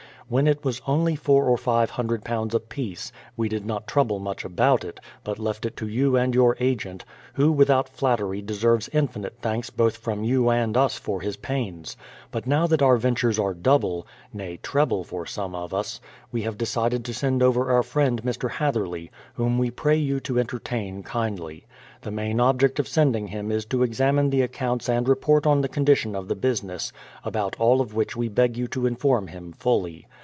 ... When it was only four or five hundred pounds a piece, we did not trouble much about it, but left it to you and your agent, who without flattery deserves infinite thanks both from you and us for his pains. ... But now that our ventures are double, nay treble for some of us, we have decided to send over our friend Mr. Hatherley, whom we pray you to enter tain kindly. The main object of sending him is to examine the accounts and report on the condition of the business, about all of which we beg you to inform him fully.